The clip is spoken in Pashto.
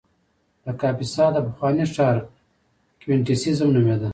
د کاپیسا د پخواني ښار کوینټیسیم نومېده